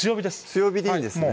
強火でいいんですね